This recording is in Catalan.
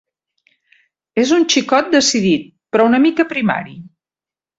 És un xicot decidit, però una mica primari.